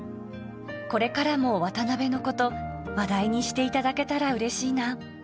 これからも渡辺のこと、話題にしていただけたらうれしいな。